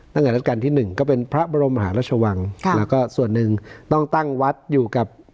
ราชการที่หนึ่งก็เป็นพระบรมหาราชวังค่ะแล้วก็ส่วนหนึ่งต้องตั้งวัดอยู่กับ